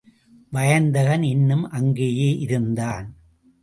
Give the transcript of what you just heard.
வயந்தகன் இன்னும் அங்கேயே இருந்தான்.